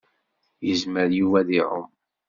Yezmer Yuba ad iɛumm.